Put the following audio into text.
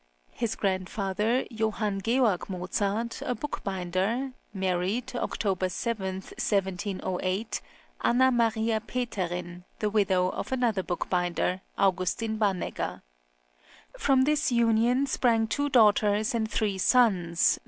His grandfather, Johann Georg Mozart, a bookbinder, married, October 7, 1708, Anna Maria Peterin, the widow of another bookbinder, Augustin Banneger.2 From this union sprang two daughters and three sons, viz.